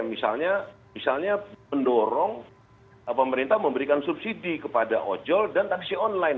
misalnya mendorong pemerintah memberikan subsidi kepada ojol dan taksi online